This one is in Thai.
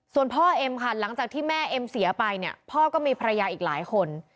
ส่วนพ่อเอ็มค่ะหลังจากที่แม่เอ็มเสียไปเนี่ยพ่อก็มีภรรยาอีกหลายคน